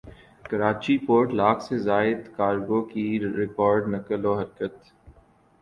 Karachi port lakh سے زائد cargo کی ریکارڈ نقل وحرکت